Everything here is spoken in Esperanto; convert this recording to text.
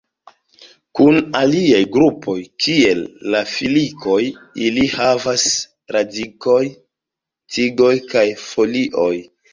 Kun aliaj grupoj, kiel la filikoj, ili havas radikoj, tigoj kaj folioj.